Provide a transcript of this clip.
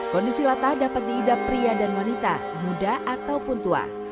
kondisi latah dapat diidap pria dan wanita muda ataupun tua